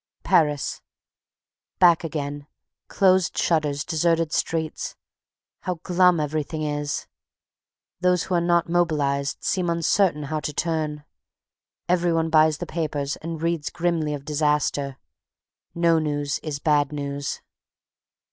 Paris. Back again. Closed shutters, deserted streets. How glum everything is! Those who are not mobilized seem uncertain how to turn. Every one buys the papers and reads grimly of disaster. No news is bad news.